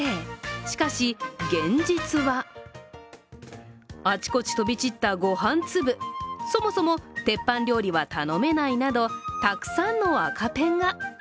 しかし、現実はあちこち飛び散ったご飯粒、そもそも鉄板料理は頼めないなど、たくさんの赤ペンが。